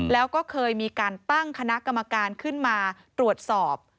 แล้วก็เคยมีการตั้งคณะกรรมการขึ้นมาตรวจสอบ